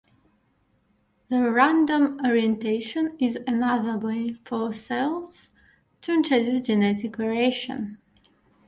The random orientation is another way for cells to introduce genetic variation.